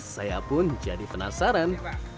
ria pun jadi penasaran